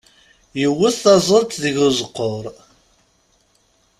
Yewwet taẓẓelt deg uzeqqur.